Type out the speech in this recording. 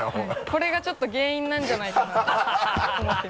これがちょっと原因なんじゃないかなと思ってます。